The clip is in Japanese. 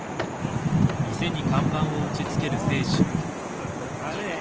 すごかね！